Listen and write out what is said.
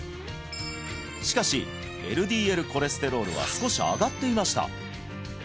しかしＬＤＬコレステロールは少し上がっていました